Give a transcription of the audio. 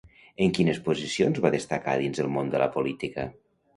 En quines posicions va destacar dins el món de la política?